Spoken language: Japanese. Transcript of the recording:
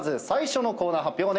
最初のコーナー発表